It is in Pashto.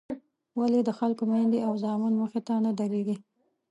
ولې د خلکو میندې او زامن مخې ته نه درېږي.